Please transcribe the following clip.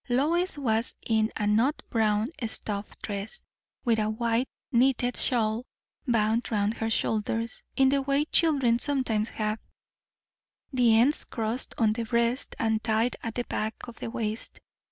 Lois was in a nut brown stuff dress, with a white knitted shawl bound round her shoulders in the way children sometimes have, the ends crossed on the breast and tied at the back of the waist.